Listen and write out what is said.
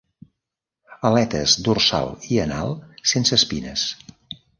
Aletes dorsal i anal sense espines.